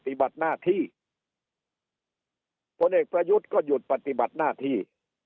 ปฏิบัติหน้าที่ผลเอกประยุทธ์ก็หยุดปฏิบัติหน้าที่